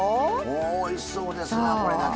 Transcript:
おいしそうですなこれだけで。